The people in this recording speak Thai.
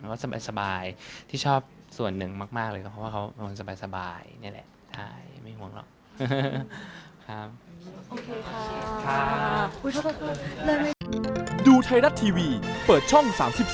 แล้วก็สบายที่ชอบส่วนหนึ่งมากเลยครับเพราะเขาเป็นคนสบายนี่แหละไม่ห่วงหรอก